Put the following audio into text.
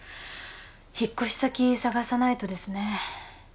引っ越し先探さないとですね